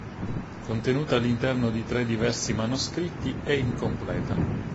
Contenuta all'interno di tre diversi manoscritti, è incompleta.